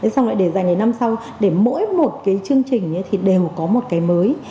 xong lại để dành đến năm sau để mỗi một cái chương trình thì đều có một cái mới